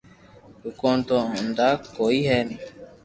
دوڪون تو دھندا ڪوئي ني